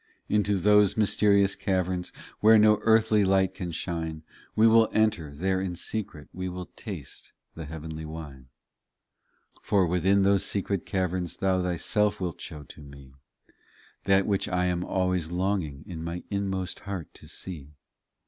Into those mysterious caverns Where no earthly light can shine, We will enter there in secret We will taste the heavenly wine. 38 For within those secret caverns Thou Thyself wilt shew to me, That which I am always longing In my inmost heart to see.